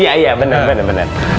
iya iya bener bener bener